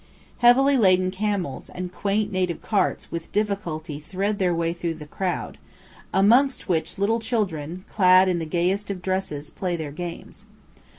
] Heavily laden camels and quaint native carts with difficulty thread their way through the crowd, amongst which little children, clad in the gayest of dresses, play their games.